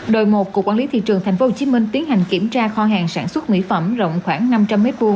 đội một của quản lý thị trường thành phố hồ chí minh tiến hành kiểm tra kho hàng sản xuất mỹ phẩm rộng khoảng năm trăm linh m hai